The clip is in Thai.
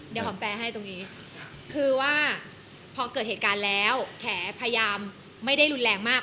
เดี๋ยวหอมแปลให้ตรงนี้คือว่าพอเกิดเหตุการณ์แล้วแขพยายามไม่ได้รุนแรงมาก